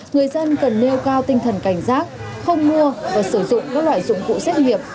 người dân cần nêu cao tinh thần cảnh giác không mua và sử dụng các loại dụng cụ xét nghiệm